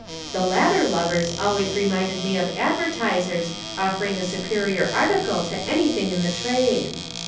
The latter lovers always remind me of advertisers offering a superior article to anything in the trade.